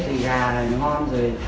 thì gà là ngon rồi